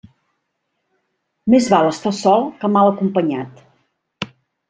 Més val estar sol que mal acompanyat.